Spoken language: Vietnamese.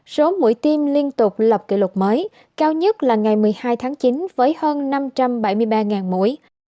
số mũi tiêm liên tục lập kỷ lục mới cao nhất là ngày một mươi hai tháng chín với hơn năm trăm bảy mươi ba mũi